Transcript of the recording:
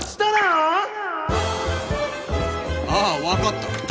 ああわかった！